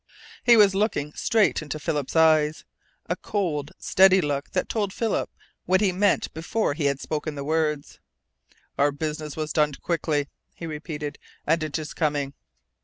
He was looking straight into Philip's eyes, a cold, steady look that told Philip what he meant before he had spoken the words. "Our business was done quickly!" he repeated. "And it is coming!"